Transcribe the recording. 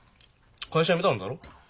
会社辞めたんだろ？